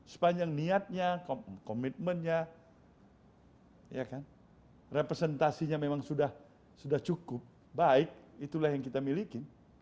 sepanjang niatnya komitmennya representasinya memang sudah cukup baik itulah yang kita miliki